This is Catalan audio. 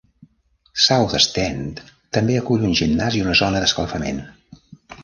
South Stand també acull un gimnàs i una zona d'escalfament.